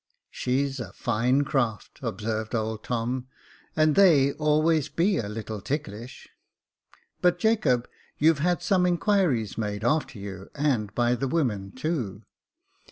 She's a fine craft," observed old Tom, " and they always be a little ticklish. But Jacob, you've had some inquiries made after you, and by the women too."